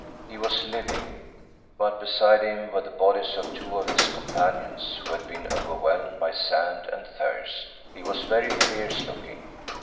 He was living, but beside him were the bodies of two of his companions who had been overwhelmed by sand and thirst. He was very fierce looking.